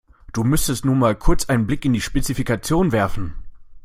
Du müsstest nur mal kurz einen Blick in die Spezifikation werfen.